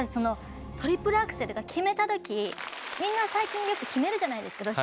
トリプルアクセルを決めたときみんな最近決めるじゃないですか。